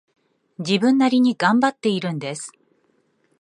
自分なりに頑張っているんです